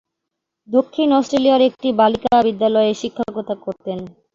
দক্ষিণ অস্ট্রেলিয়ার একটি বালিকা বিদ্যালয়ে শিক্ষকতা করতেন।